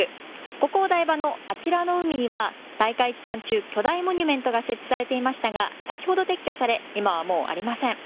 ここお台場のあちらの海には大会期間中、巨大モニュメントが設置されていましたが、先ほど撤去され、今はもうありません。